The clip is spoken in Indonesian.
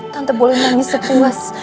tante boleh nyanyi sepuas